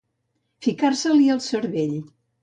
Ficar-se-li al cervell.